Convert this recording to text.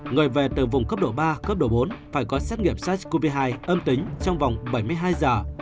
người về từ vùng cấp độ ba cấp độ bốn phải có xét nghiệm sars cov hai âm tính trong vòng bảy mươi hai giờ